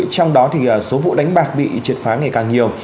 trong đó số vụ đánh bạc bị triệt phá ngày càng nhiều